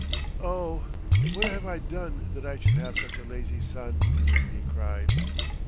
"Oh! what have I done that I should have such a lazy son!" he cried.